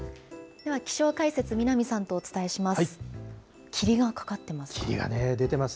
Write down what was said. では、気象解説、南さんとお伝えします。